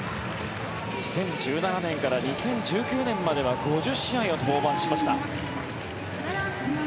２０１７年から２０１９年までは５０試合登板しました。